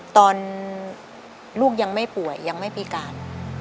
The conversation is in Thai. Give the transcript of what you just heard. ตอนลูกยังไม่ป่วยยังไม่พิการ